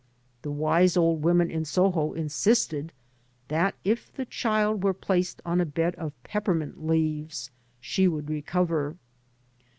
The wise old women in Soho insisted that if the child were placed on a bed of peppermint leaves she would recover.